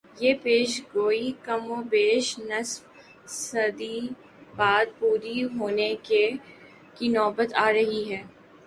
یہ پیشگوئی کم و بیش نصف صدی بعد پوری ہونے کی نوبت آ رہی ہے۔